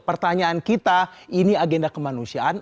pertanyaan kita ini agenda kemanusiaan